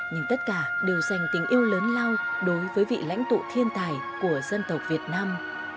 nhưng tất cả đều dành tình yêu lớn lao đối với vị lãnh tụ thiên tài của dân tộc việt nam